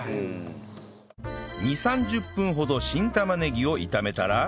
２０３０分ほど新玉ねぎを炒めたら